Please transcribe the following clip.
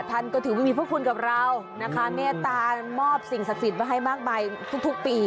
ท่านก็ถือว่ามีผู้คุณกับเรานะคะเนี่ยตามอบสิ่งศักดิ์ศิลปะให้มากมายทุกปี